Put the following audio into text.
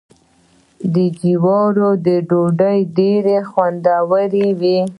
د جوارو ډوډۍ ډیره خوندوره وي.